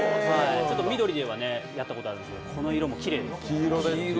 緑ではやったことあるんですけどこの色もきれいです。